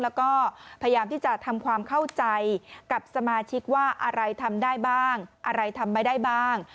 แล้วก็พยายามที่จะทำความเข้าใจกับสมาชิกว่าอะไรทำได้บ้างอะไรทำไม่ได้บ้าง